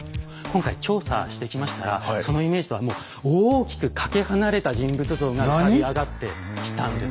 今回調査してきましたらそのイメージとはもう大きくかけ離れた人物像が浮かび上がってきたんです。